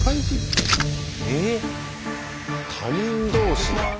えっ⁉他人同士だ。